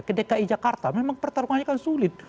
ke dki jakarta memang pertarungannya kan sulit